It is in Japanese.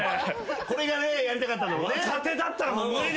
これがねやりたかったんだもんね。